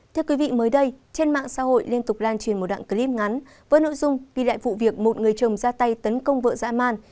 thưa quý vị mới đây trên mạng xã hội liên tục lan truyền một đoạn clip ngắn với nội dung ghi lại vụ việc một người chồng ra tay tấn công vợ dã man